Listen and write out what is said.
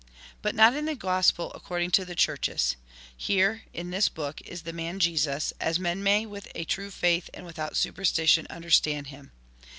But not in the Gospel according to the Churches. Here, in this book, is the man Jesus, as men may with a true faith and without superstition under stand him.